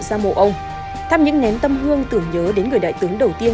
ra mộ ông thăm những nén tâm hương tưởng nhớ đến người đại tướng đầu tiên